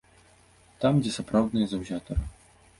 Там, дзе сапраўдныя заўзятары.